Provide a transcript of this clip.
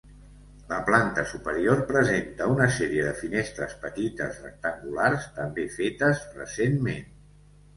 La planta superior presenta una sèrie de finestres petites rectangulars, també fetes recentment.